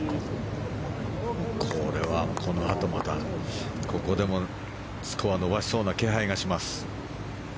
これはこのあとまたここでもスコアを伸ばしそうな気配がします。